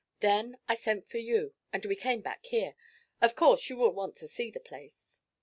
Then I sent for you, and we came back here. Of course you will want to see the place.'